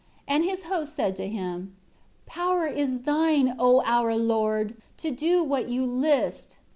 And his hosts said to him, "Power is thine, O our lord, to do what you list."